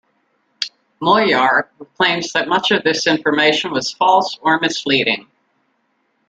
Moyar claims that much of this information was false or misleading.